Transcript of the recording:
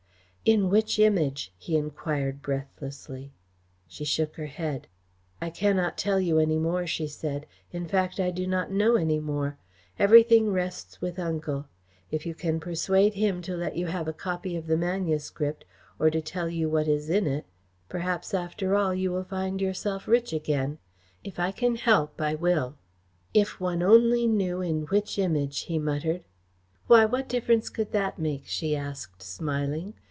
"In which Image?" he enquired breathlessly. She shook her head. "I cannot tell you any more," she said. "In fact, I do not know any more. Everything rests with Uncle. If you can persuade him to let you have a copy of the manuscript or to tell you what is in it, perhaps, after all, you will find yourself rich again. If I can help I will." "If one only knew in which Image!" he muttered. "Why, what difference could that make?" she asked, smiling.